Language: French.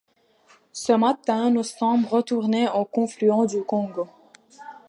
Ce matin, nous sommes retournés au confluent du Congo.